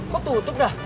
kok tutup dah